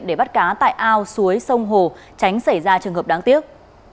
để bắt cá tại ao suối sông hồ tránh xảy ra trường hợp đáng tiếc